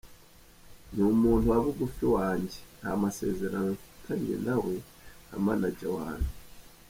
Ni umuntu wa bugufi yanjye, nta masezerano mfitanye na we nka manager wanjye.